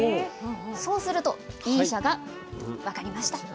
そうするとＢ社が「分かりました。